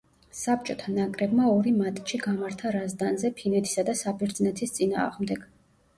საბჭოთა ნაკრებმა ორი მატჩი გამართა რაზდანზე ფინეთისა და საბერძნეთის წინააღმდეგ.